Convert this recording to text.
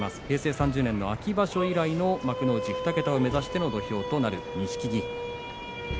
平成３０年の秋場所以来の２桁を目指しての土俵になります。